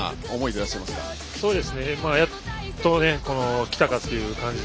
やっと来たかという感じで。